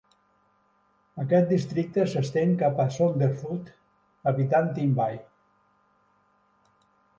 Aquest districte s'estén cap a Saundersfoot evitant Tenby.